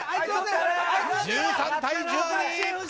１３対１２！